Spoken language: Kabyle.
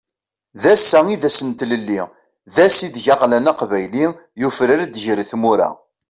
D ass-a i d ass n tlelli, d ass ideg aɣlan aqbayli, yufrar-d ger tmura.